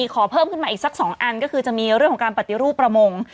ขอเพิ่มขึ้นมาอีกสัก๒อันก็คือจะมีเรื่องของการปฏิรูปประมง